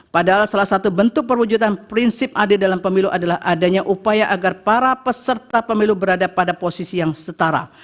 padahal salah satu bentuk perwujudan prinsip adil dalam pemilu adalah adanya upaya agar para peserta pemilu berada pada posisi yang setara